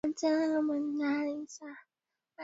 Ambayo ni zaidi ya mchezaji yeyote wa bara la Ulaya